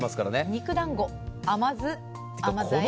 肉団子甘酢和え。